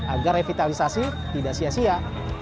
agar revitalisasi tidak sia sia